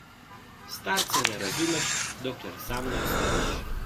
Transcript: Starca ne razumeš, dokler sam ne ostariš.